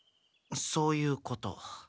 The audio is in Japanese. そういうこと。